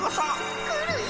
来るよ！